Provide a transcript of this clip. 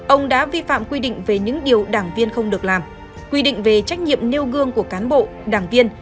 ông đã vi phạm quy định về những điều đảng viên không được làm quy định về trách nhiệm nêu gương của cán bộ đảng viên